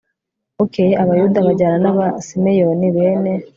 bukeye abayuda bajyana n abasimeyoni bene